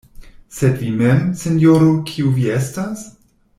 Sed vi mem, sinjoro, kiu vi estas?